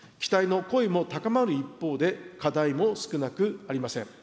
期待の声も高まる一方で、課題も少なくありません。